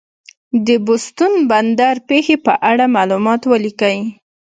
د بوستون بندر پېښې په اړه معلومات ولیکئ.